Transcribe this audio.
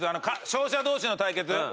勝者同士の対決。